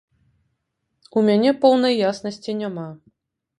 У мяне поўнай яснасці няма.